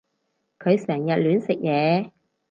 佢成日亂食嘢